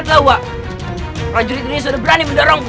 lihatlah wak prajurit ini sudah berani mendorongmu